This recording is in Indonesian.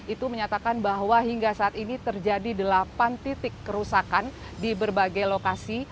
itu menyatakan bahwa hingga saat ini terjadi delapan titik kerusakan di berbagai lokasi